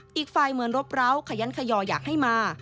ติ๊กไฟเหมือนรบร้าวขยันขยออยากให้มา